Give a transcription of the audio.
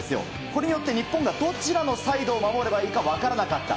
これによって日本がどちらのサイドを守ればいいか分からなかった。